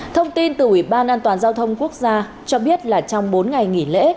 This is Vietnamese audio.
thông tin từ ủy ban an toàn giao thông quốc gia cho biết là trong bốn ngày nghỉ lễ